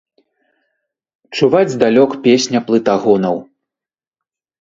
Чуваць здалёк песня плытагонаў.